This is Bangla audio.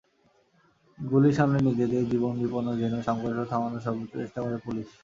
গুলির সামনে নিজেদের জীবন বিপন্ন জেনেও সংঘর্ষ থামানোর সর্বোচ্চ চেষ্টা করে পুলিশ।